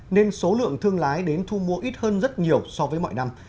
nên số lượng thương lái đến thu mua ít hơn rất nhiều so với mọi năm